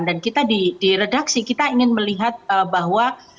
kita di redaksi kita ingin melihat bahwa